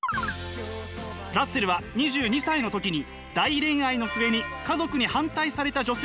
ラッセルは２２歳の時に大恋愛の末に家族に反対された女性と結婚！